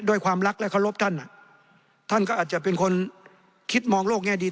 ด้วยความรักและเคารพท่านท่านก็อาจจะเป็นคนคิดมองโลกแง่ดี